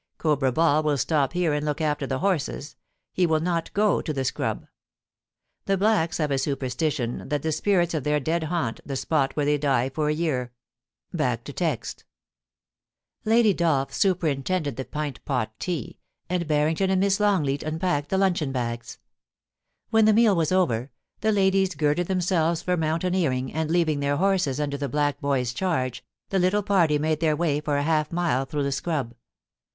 '* Cobra Ball will stop here and look after the horses ; he will not go to the scrub.* (The blacks have a superstition that the spirits of their dead haunt the spot where they die for a year.) 13 194 POLICY AND PASSION, superintended the pint pot tea, and Barrington and Miss Longleat unpacked the luncheon bags. When the meal was over, the ladies girded themselves fgr mountaineering, and, leaving their horses under the black boy^s charge, the little party made their way for half a mile through the scrub.